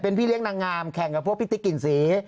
พี่เลี้ยนางงามแข่งกับพวกพี่ติ๊กกลิ่นสี